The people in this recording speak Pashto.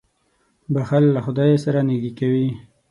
• بښل له خدای سره نېږدې کوي.